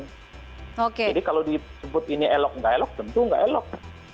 jadi kalau disebut ini elok nggak elok tentu nggak elok